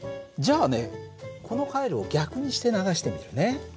じゃあねこの回路を逆にして流してみるね。